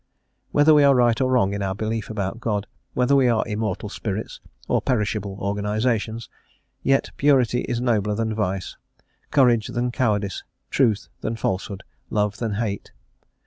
Whether we are right or wrong in our belief about God, whether we are immortal spirits or perishable organizations, yet purity is nobler than vice, courage than cowardice, truth than falsehood, love than hate.